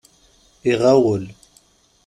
Iɣawel.